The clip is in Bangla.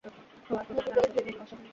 নতুন করে শুরু করি।